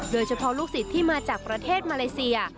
โดยเฉพาะลูกศิษย์ที่มาจากประเทศมาเลเซีย